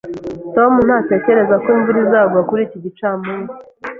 Tom ntatekereza ko imvura izagwa kuri iki gicamunsi